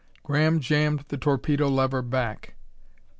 Graham jammed the torpedo lever back.